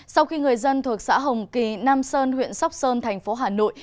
sau khi người dân thuộc xã hồng kỳ nam sơn huyện sóc sơn thành phố hà nội